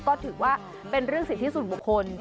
ก็ถือว่าเป็นเรื่องสิทธิส่วนบุคคล